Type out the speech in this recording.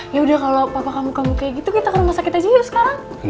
yaudah kalo papa kamu kamu kayak gitu kita ke rumah sakit aja yuk sekarang